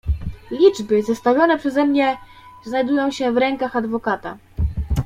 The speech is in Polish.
"Liczby, zestawione przeze mnie, znajdują się w rękach adwokata."